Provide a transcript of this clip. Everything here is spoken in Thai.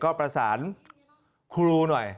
ก็ประสานครูหน่อย